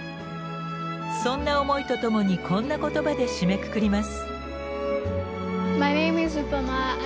そんな思いとともにこんな言葉で締めくくります。